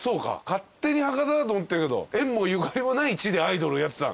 勝手に博多だと思ってるけど縁もゆかりもない地でアイドルやってた？